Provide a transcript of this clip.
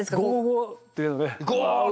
ゴっていう。